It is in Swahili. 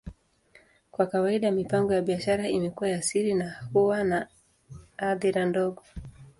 Kwa kawaida, mipango ya biashara imekuwa ya siri na huwa na hadhira ndogo.